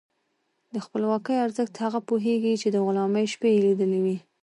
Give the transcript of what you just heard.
د خپلواکۍ ارزښت هغه پوهېږي چې د غلامۍ شپې یې لیدلي وي.